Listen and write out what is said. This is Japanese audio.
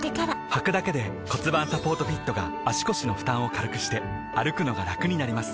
はくだけで骨盤サポートフィットが腰の負担を軽くして歩くのがラクになります